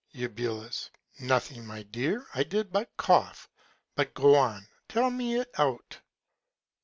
Eu. Nothing, my Dear, I did but cough. But, go on, tell me it out.